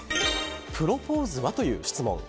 プロポーズは？という質問。